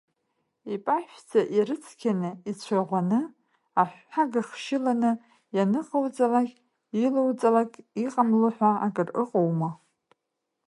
Ипашәӡа ирыцқьаны, ицәаӷәаны, аҳәҳәага хшьыланы ианыҟауҵалак, илоуҵалак иҟамло ҳәа акыр ыҟоума?